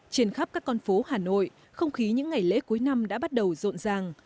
trên khắp các con phố hà nội không khí những ngày lễ cuối năm đã bắt đầu rộn ràng